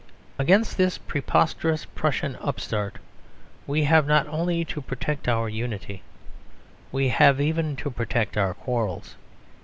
Against this preposterous Prussian upstart we have not only to protect our unity; we have even to protect our quarrels.